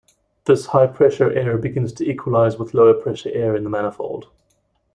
This high-pressure air begins to equalize with lower-pressure air in the manifold.